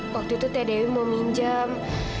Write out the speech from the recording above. waktu itu t dewi mau minjem